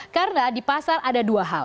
karena di pasar ada dua hal